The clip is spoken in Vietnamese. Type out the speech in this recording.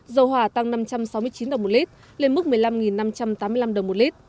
dầu hỏa tăng năm trăm sáu mươi chín đồng một lít lên mức một mươi năm năm trăm tám mươi năm đồng một lít